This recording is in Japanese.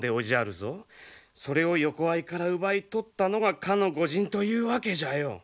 それを横合いから奪い取ったのがかの御仁というわけじゃよ。